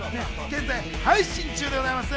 現在配信中です。